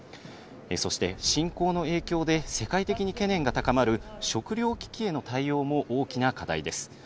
そして、侵攻の影響で、世界的に懸念が高まる食糧危機への対応も大きな課題です。